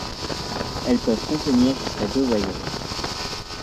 Elles peuvent contenir jusqu’à deux voyelles.